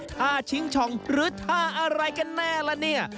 ท่าชิงช่องหรือท่าอะไรกันแน่ละเนี่ย